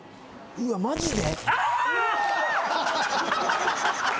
うわマジで？